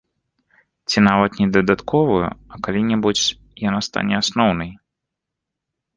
Ці нават не дадатковую, а калі-небудзь яна стане асноўнай.